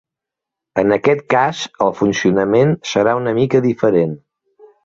En aquest cas el funcionament serà una mica diferent.